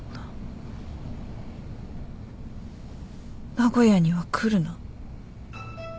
「名古屋には来るな」？